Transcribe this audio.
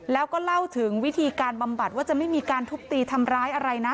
แล้วก็เล่าถึงวิธีการบำบัดว่าจะไม่มีการทุบตีทำร้ายอะไรนะ